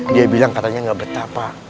dia bilang katanya gak betah pak